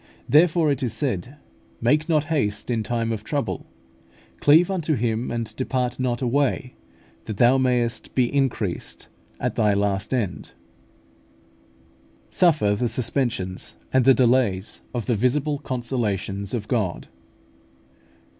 Therefore it is said, "Make not haste in time of trouble. Cleave unto Him, and depart not away, that thou mayest be increased at thy last end" (Ecclus. ii. 2, 3). Suffer the suspensions and the delays of the visible consolations of God.